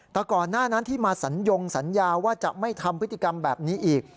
แต่ก่อนหน้านั้นที่มาสัญญงสัญญาว่าจะไม่ทำพฤติกรรมแบบนี้อีก